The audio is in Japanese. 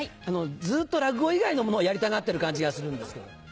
ずっと落語以外のものをやりたがってる感じがするんですけど。